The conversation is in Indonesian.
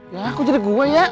ya kok jadi gua ya